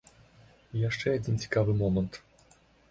Яшчэ адзін цікавы момант.